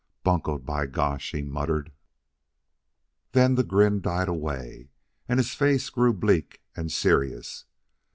"Buncoed, by gosh!" he muttered. Then the grin died away, and his face grew bleak and serious.